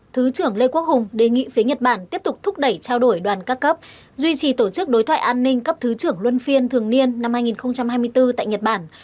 thứ trưởng lê quốc hùng đề nghị phía nhật bản tiếp tục thúc đẩy trao đổi đoàn các cấp duy trì tổ chức đối thoại an ninh cấp thứ trưởng luân phiên thường niên năm hai nghìn hai mươi bốn tại nhật bản